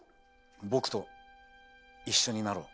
僕と一緒になろう。